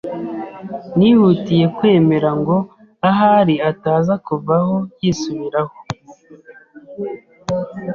nihutiye kwemera ngo ahari ataza kuva aho yisubiraho